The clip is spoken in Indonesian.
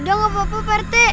udah nggak apa apa pak rt